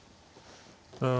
うん。